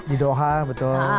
di doha betul